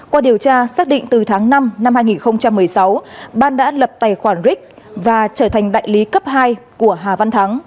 qua điều tra xác định từ tháng năm năm hai nghìn một mươi sáu ban đã lập tài khoản ric và trở thành đại lý cấp hai của hà văn thắng